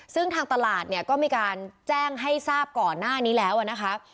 ซึ่งทางตลาดเนี่ยก็มีการแจ้งให้ทราบก่อนหน้านี้แล้วนะคะ